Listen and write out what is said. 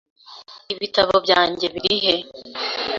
Ibitabo byanjye biri he?